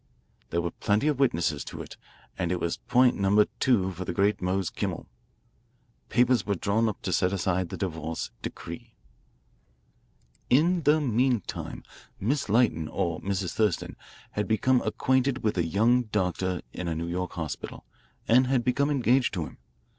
There were plenty of witnesses to it, and it was point number two for the great Mose Kimmel. Papers were drawn up to set aside the divorce decree. "In the meantime, Miss Lytton, or Mrs. Thurston, had become acquainted with a young doctor in a New York hospital, and had become engaged to him.